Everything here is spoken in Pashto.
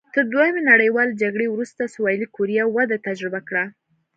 تر دویمې نړیوالې جګړې وروسته سوېلي کوریا وده تجربه کړه.